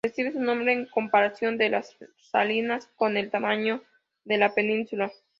Recibe su nombre en comparación de las salinas con el tamaño de la península.